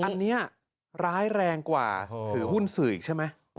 อันนี้ร้ายแรงกว่าถือหุ้นสื่ออีกใช่ไหม